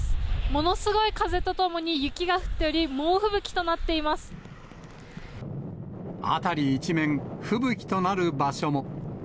ものすごい風とともに、雪が降っ辺り一面、吹雪となる場所も。